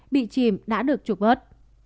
bị chìm đã được trục vớt